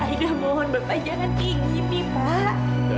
aida mohon bapak jangan begini pak